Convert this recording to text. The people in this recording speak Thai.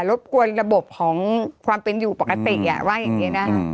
บกวนระบบของความเป็นอยู่ปกติว่าอย่างนี้นะคะ